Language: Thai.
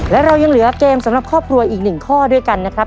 และเรายังเหลือเกมสำหรับครอบครัวอีก๑ข้อด้วยกันนะครับ